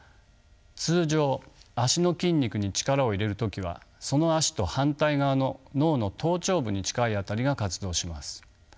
通常脚の筋肉に力を入れる時はその脚と反対側の脳の頭頂部に近い辺りが活動します。